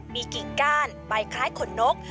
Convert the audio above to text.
มีกิ่งก้านใบคล้ายขนนก